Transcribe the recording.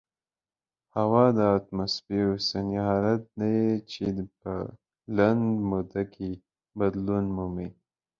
هوا د اتموسفیر اوسنی حالت دی چې په لنډه موده کې بدلون مومي.